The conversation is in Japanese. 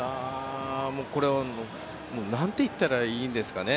これは何と言ったらいいんですかね。